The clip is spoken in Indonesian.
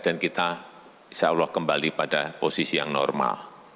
dan kita insyaallah kembali pada posisi yang normal